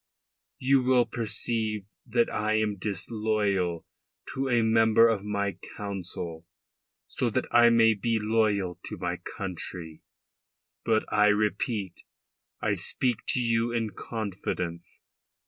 You will perceive that I am disloyal to a member of my Council so that I may be loyal to my country. But I repeat, I speak to you in confidence.